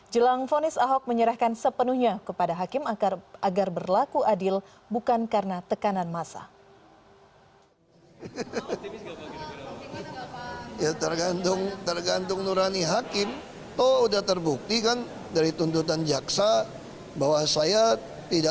sinang fonis ahok menyerahkan sepenuhnya kepada hakim agar berlaku adil bukan karena tekanan masa